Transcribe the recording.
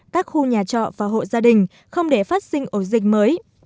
các khu nhà trọ và hộ gia đình không để phát sinh ổ dịch mới